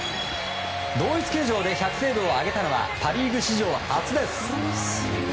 同一球場で１００セーブを挙げたのはパ・リーグ史上初です。